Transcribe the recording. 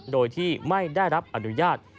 โดยที่ไม่ได้รับอนุญาต